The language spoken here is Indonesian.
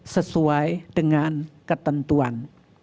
sesuai dengan ketentuan